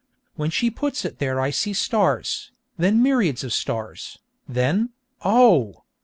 When she puts it there I see stars, then myriads of stars, then, oh!